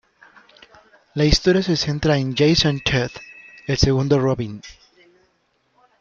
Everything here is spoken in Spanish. La historia se centra en Jason Todd, el segundo Robin.